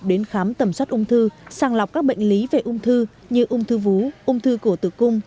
đến khám tầm soát ung thư sàng lọc các bệnh lý về ung thư như ung thư vú ung thư cổ tử cung